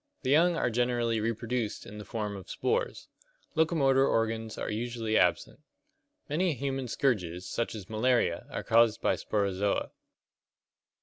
The young are generally reproduced in the form of spores. Locomotor organs usually absent. Many human scourges, such as malaria, are caused by Sporozoa.